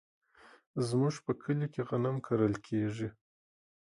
زمونږ په کلي کې غنم کرل کیږي.